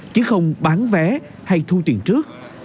chỉ không bán vé hay thu tiền trước